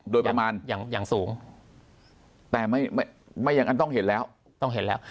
โดยประมาณอย่างสูงแต่ไม่ไม่อย่างนั้นต้องเห็นแล้วต้องเห็นแล้ว